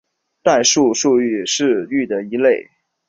代数数域是域的一类。